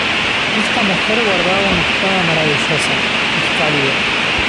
Esta mujer guardaba una espada maravillosa, Excalibur.